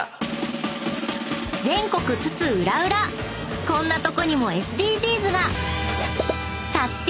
［全国津々浦々こんなとこにもＳＤＧｓが！］